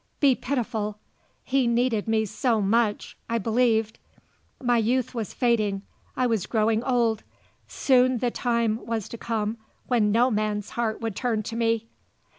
Be pitiful. He needed me so much I believed. My youth was fading; I was growing old. Soon the time was to come when no man's heart would turn to me.